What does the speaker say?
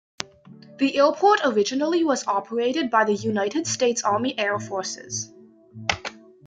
The airport originally was operated by the United States Army Air Forces.